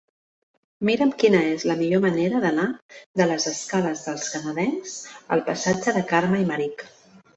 Mira'm quina és la millor manera d'anar de les escales dels Canadencs al passatge de Carme Aymerich.